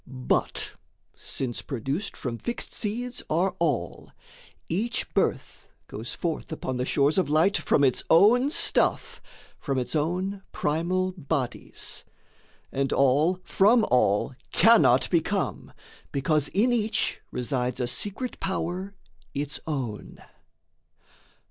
But, since produced from fixed seeds are all, Each birth goes forth upon the shores of light From its own stuff, from its own primal bodies. And all from all cannot become, because In each resides a secret power its own.